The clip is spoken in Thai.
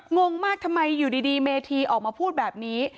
งงมากทำไมอยู่ดีเมธีออกมาพูดแบบนี้